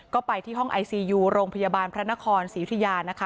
ก็ไปที่ห้องไอซียูโรงพยาบาลพระนครศรียุธิยานะคะ